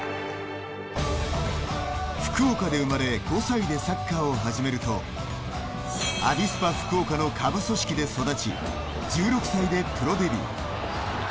福岡で生まれ５歳でサッカーを始めるとアビスパ福岡の下部組織で育ち１６歳でプロデビュー。